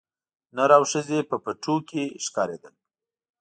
نر او ښځي په پټو کښي ښکارېدل